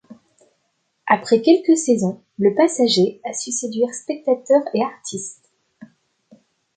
Après quelques saisons, le Passager a su séduire spectateurs et artistes.